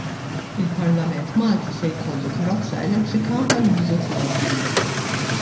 Il-Parlament Malti se jkollu karozza elettrika għall-użu tiegħu.